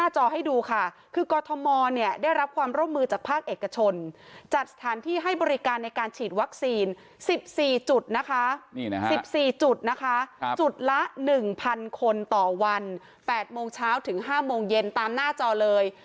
๑๔จุดนะคะจุดละ๑๐๐๐คนต่อวัน๘โมงเช้าถึง๕โมงเย็นตามหน้าจอเลย